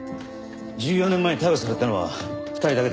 １４年前逮捕されたのは２人だけですか？